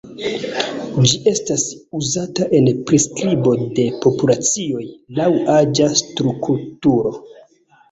Ĝi estas uzata en priskribo de populacioj laŭ aĝa strukturo.